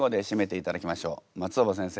松尾葉先生